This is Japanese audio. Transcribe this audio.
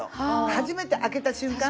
初めて開けた瞬間